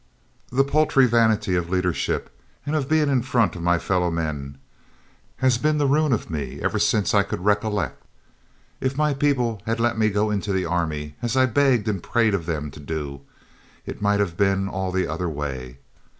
The paltry vanity of leadership, and of being in the front of my fellow men, has been the ruin of me ever since I could recollect. If my people had let me go into the army, as I begged and prayed of them to do, it might have been all the other way.